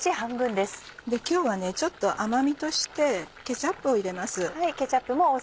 今日はちょっと甘みとしてケチャップを入れます。